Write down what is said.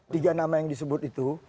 tiga nama yang disebut itu